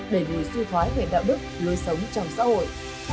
đẩy lùi suy thoái về đạo đức lối sống trong xã hội